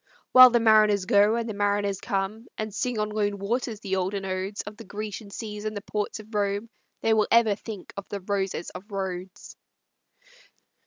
"While the mariners go, and the mariners come, And sing on lone waters the olden odes Of the Grecian seas and the ports of Rome, They will ever think of the roses of Rhodes."